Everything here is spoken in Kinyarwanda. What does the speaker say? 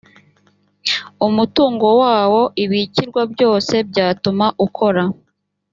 umutungo wawo ibikorwa byose byatuma ukora